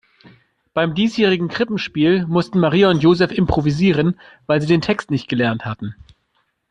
Beim diesjährigen Krippenspiel mussten Maria und Joseph improvisieren, weil sie den Text nicht gelernt hatten.